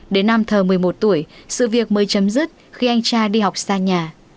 đến năm thờ một mươi một tuổi sự việc mới chấm dứt khi anh cha đi học xa nhà